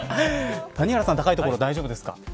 谷原さんは高い所大丈夫ですか。